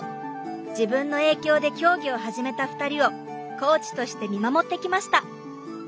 自分の影響で競技を始めた２人をコーチとして見守ってきました。